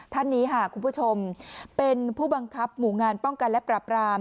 ท่านนี้ค่ะคุณผู้ชมเป็นผู้บังคับหมู่งานป้องกันและปรับราม